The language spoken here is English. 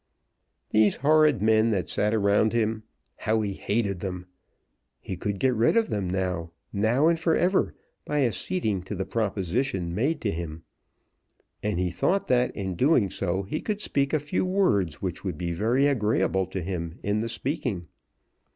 These horrid men that sat around him, how he hated them! He could get rid of them now, now and for ever, by acceding to the proposition made to him. And he thought that in doing so he could speak a few words which would be very agreeable to him in the speaking.